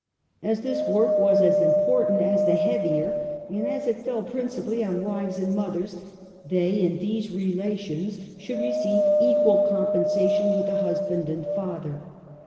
As this work was as important as the heavier, and as it fell principally on wives and mothers, they in these rela tions should receive equal compensation with the hus band and father.